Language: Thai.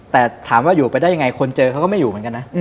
แต่ถามว่าอยู่ไปได้ยังไงคนเจอเขาก็ไม่อยู่เหมือนกันนะ